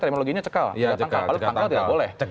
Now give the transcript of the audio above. terimologinya cekal kalau tanggal tidak boleh